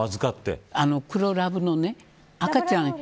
黒ラブの赤ちゃん。